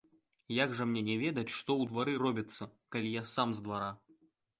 Як жа мне не ведаць, што ў двары робіцца, калі я сам з двара?